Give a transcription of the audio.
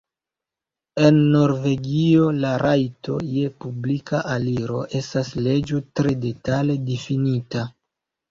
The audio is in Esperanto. En Norvegio la rajto je publika aliro estas leĝo tre detale difinita.